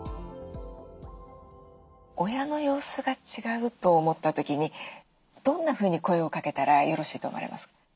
親の様子が違うと思った時にどんなふうに声をかけたらよろしいと思われますか？